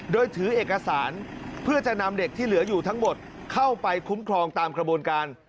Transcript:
โดยถือเอกสารเพื่อจะนำเด็กที่เหลืออยู่ทั้งหมดเข้าไปคุ้มครองตามกระบวนการ